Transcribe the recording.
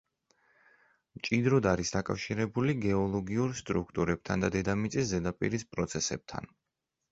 მჭიდროდ არის დაკავშირებული გეოლოგიურ სტრუქტურებთან და დედამიწის ზედაპირის პროცესებთან.